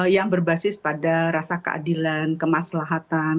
yang berbasis pada rasa keadilan kemaslahatan